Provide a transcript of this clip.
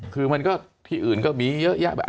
คือมันก็ที่อื่นก็มีเยอะแยะแบบ